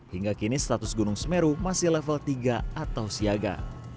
hingga kini status gunung semeru masih level tiga atau siaga